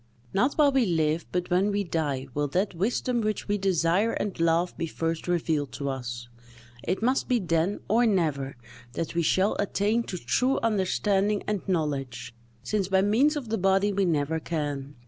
Not while we live, but when we die, will that wisdom which we desire and love be first revealed to us; it must be then, or never, that we shall attain to true understanding and knowledge, since by means of the body we never can.